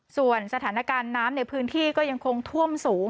ส่วนสถานการณ์น้ำในพื้นที่ก็ยังคงท่วมสูง